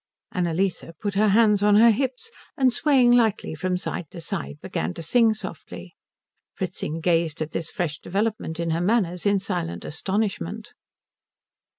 Annalise put her hands on her hips, and swaying lightly from side to side began to sing softly. Fritzing gazed at this fresh development in her manners in silent astonishment.